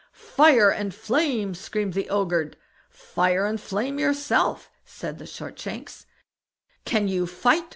"Fire and flame!" screamed the Ogre. "Fire and flame yourself!" said Shortshanks. "Can you fight?"